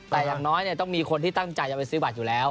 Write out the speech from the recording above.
แต่อย่างน้อยต้องมีคนที่ตั้งใจจะไปซื้อบัตรอยู่แล้ว